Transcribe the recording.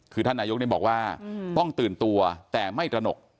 คือท่านนายกบอกว่าต้องตื่นตัวแต่ไม่ตระหนก